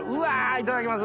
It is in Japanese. いただきます。